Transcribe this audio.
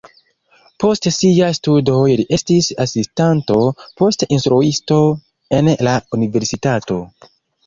Post siaj studoj li estis asistanto, poste instruisto en la universitato.